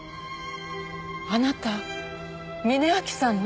あなた峯秋さんの？